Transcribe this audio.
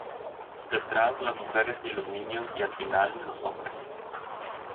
Detrás, las mujeres y los niños y al final, los hombres.